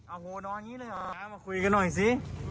โอ้โหนอนอย่างนี้เลยเหรอมาคุยกันหน่อยสิ